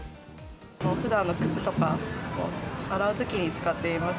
ふだんの靴とかを洗うときに使っています。